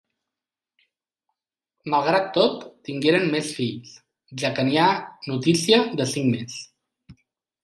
Malgrat tot, tingueren més fills, ja que n'hi ha notícia de cinc més.